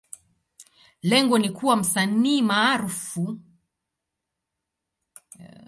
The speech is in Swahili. Lengo ni kuwa msanii maarufu wa kimataifa.